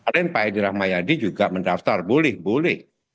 dan pak edi rahmayadi juga mendaftar boleh boleh